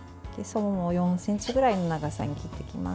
４ｃｍくらいの長さに切っていきます。